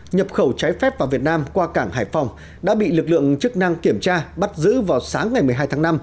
nhập khẩu trái phép vào việt nam qua cảng hải phòng đã bị lực lượng chức năng kiểm tra bắt giữ vào sáng ngày một mươi hai tháng năm